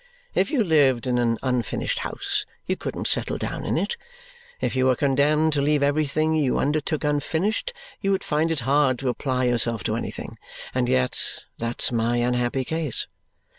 If you lived in an unfinished house, you couldn't settle down in it; if you were condemned to leave everything you undertook unfinished, you would find it hard to apply yourself to anything; and yet that's my unhappy case.